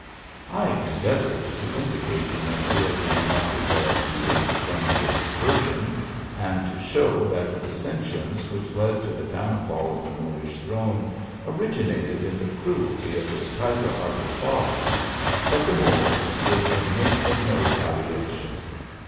I endeavoured to vindicate the memory of the unlucky Boabdil from this aspersion, and to show that the dissensions which led to the downfall of the Moorish throne, originated in the cruelty of his tiger hearted father ; but the Moor would admit of no palliation.